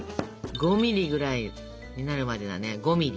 ５ｍｍぐらいになるまでだね５ｍｍ。